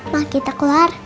mah kita keluar